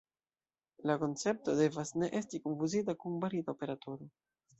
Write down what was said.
La koncepto devas ne esti konfuzita kun barita operatoro.